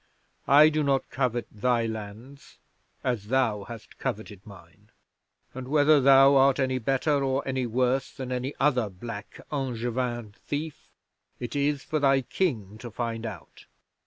I do not covet thy lands, as thou hast coveted mine; and whether thou art any better or any worse than any other black Angevin thief, it is for thy King to find out.